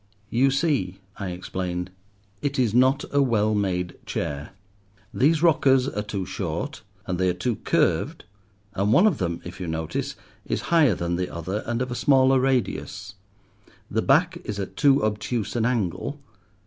"You see," I explained, "it is not a well made chair. These rockers are too short, and they are too curved, and one of them, if you notice, is higher than the other and of a smaller radius; the back is at too obtuse an angle.